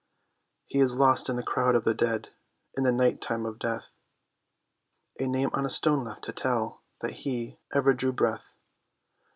He is lost in the crowd of the dead, in the night time of death, A name on a stone left to tell that he ever drew breath.